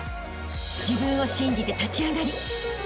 ［自分を信じて立ち上がりあしたへ